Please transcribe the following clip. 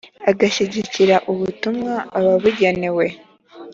agashyigikira ubutumwa ababugenewe